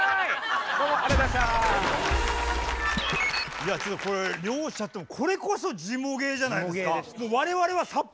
いやちょっとこれ両者ともこれこそジモ芸じゃないですか？